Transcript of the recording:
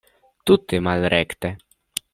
Tute malrekte!